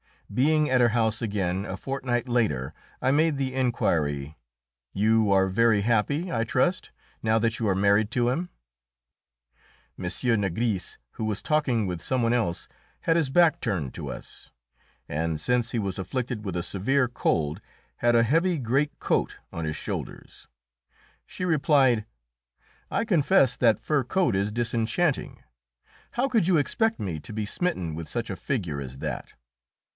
Being at her house again a fortnight later, I made the inquiry, "You are very happy, I trust, now that you are married to him?" M. Nigris, who was talking with some one else, had his back turned to us, and, since he was afflicted with a severe cold, had a heavy great coat on his shoulders. She replied, "I confess that fur coat is disenchanting; how could you expect me to be smitten with such a figure as that?"